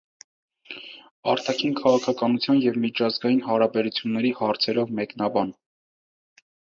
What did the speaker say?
Արտաքին քաղաքականության և միջազգային հարաբերությունների հարցերով մեկնաբան։